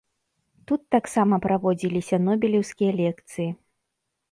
Тут таксама праводзіліся нобелеўскія лекцыі.